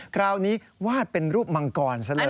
คราวนี้วาดเป็นรูปมังกรซะเลย